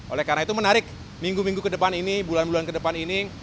oleh karena itu menarik minggu minggu ke depan ini bulan bulan ke depan ini